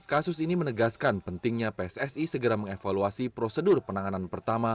kasus ini menegaskan pentingnya pssi segera mengevaluasi prosedur penanganan pertama